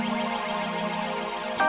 ya jangan gitu dok